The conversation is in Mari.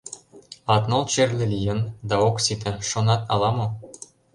Латныл черле лийын, да ок сите, шонат ала-мо?